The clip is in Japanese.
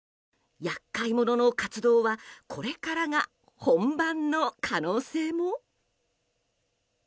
厄介者の活動はこれからが本番の可能性も。